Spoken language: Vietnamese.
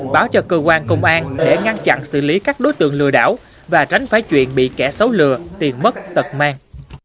báo cho cơ quan công an để ngăn chặn xử lý các đối tượng lừa đảo và tránh phải chuyện bị kẻ xấu lừa tiền mất tật mang